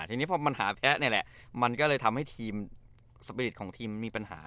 ทีนี้พอมันหาแพ้นี่แหละมันก็เลยทำให้ทีมสปีริตของทีมมีปัญหา